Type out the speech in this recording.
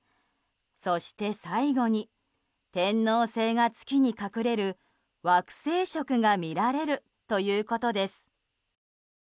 そして最後に天王星が月に隠れる惑星食が見られるということです。